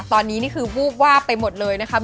ตอนนี้นี่คือวูบวาบไปหมดเลยนะครับ